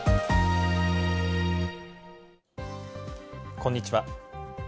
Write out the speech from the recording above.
こんにちは。